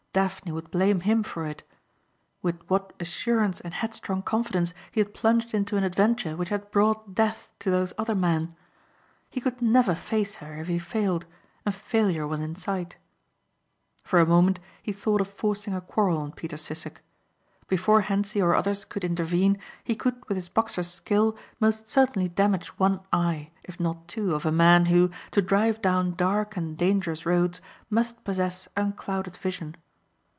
Daphne would blame him for it. With what assurance and headstrong confidence he had plunged into an adventure which had brought death to those other men! He could never face her if he failed and failure was in sight. For a moment he thought of forcing a quarrel on Peter Sissek. Before Hentzi or others could intervene he could with his boxer's skill most certainly damage one eye if not two of a man who, to drive down dark and dangerous roads, must possess unclouded vision.